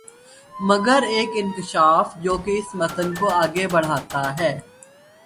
مگر ایک انکشاف جو کہ اس متن کو آگے بڑھاتا ہے